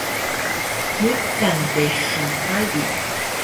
Niqan texal ali